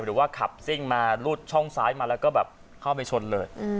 หรือว่าขับซิ่งมารูดช่องซ้ายมาแล้วก็แบบเข้าไปชนเลย